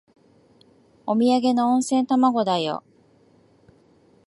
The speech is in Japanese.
おみやげの温泉卵だよ。